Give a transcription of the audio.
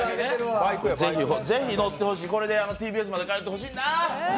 ぜひ乗ってほしい、これでＴＢＳまで通ってほしいな。